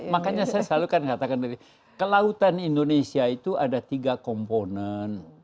makanya saya selalu kan katakan kelautan indonesia itu ada tiga komponen